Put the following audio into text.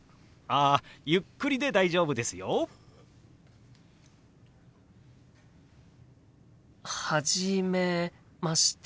あゆっくりで大丈夫ですよ。初めまして。